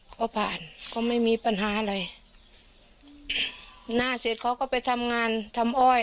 เขาผ่านก็ไม่มีปัญหาอะไรหน้าเสร็จเขาก็ไปทำงานทำอ้อย